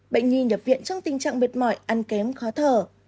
bệnh nhi nhập viện trong tình trạng mệt mỏi ăn kém khó thở